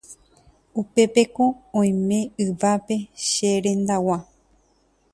upépeko oime yvápe che rendag̃ua.